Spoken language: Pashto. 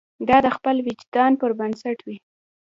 دا د خپل وجدان پر بنسټ وي.